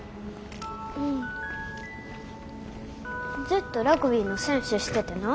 ずっとラグビーの選手しててな。